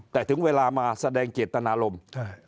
แต่ถึงเวลามาแสดงเจตนารมณ์